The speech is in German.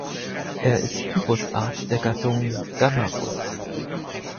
Er ist Typusart der Gattung "Gammarus".